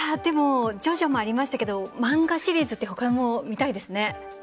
「ジョジョ」もありましたが漫画シリーズ他も見たいですね。